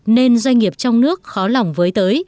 nên doanh nghiệp trong nước khó lòng với tới